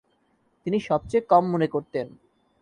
তিনি সবচেয়ে কম মনে করতেন।